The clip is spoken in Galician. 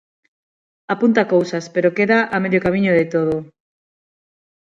Apunta cousas pero queda a medio camiño de todo.